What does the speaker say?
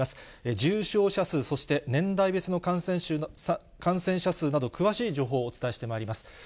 重症者数、そして年代別の感染者数など、詳しい情報をお伝えしてまいります。